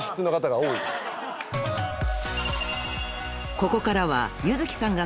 ［ここからは］